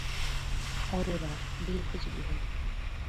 অরোরা, দীর্ঘজীবী হোক।